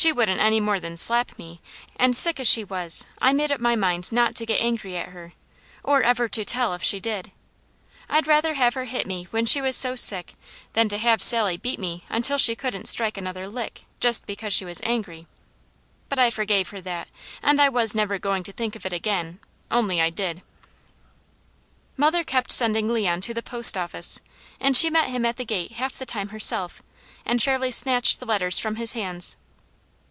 She wouldn't any more than slap me; and sick as she was, I made up my mind not to get angry at her, or ever to tell, if she did. I'd rather have her hit me when she was so sick than to have Sally beat me until she couldn't strike another lick, just because she was angry. But I forgave her that, and I was never going to think of it again only I did. Mother kept sending Leon to the post office, and she met him at the gate half the time herself and fairly snatched the letters from his hands.